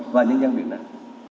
và nhân dân việt nam